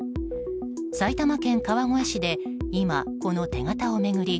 埼玉県川越市で今、この手形を巡り